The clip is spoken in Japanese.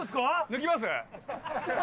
「抜きますか？」